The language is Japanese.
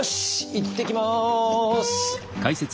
いってきます。